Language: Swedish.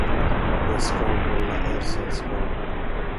Jag skall hålla er sällskap.